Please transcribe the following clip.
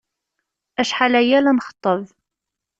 Acḥal aya la nxeṭṭeb.